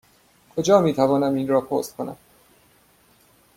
کجا می توانم این را پست کنم؟